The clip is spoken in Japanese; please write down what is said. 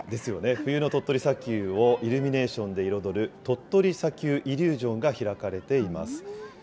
冬の鳥取砂丘をイルミネーションで彩る、鳥取砂丘イリュージョンが開かれています。